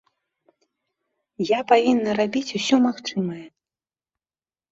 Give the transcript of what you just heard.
Я павінна рабіць усё магчымае.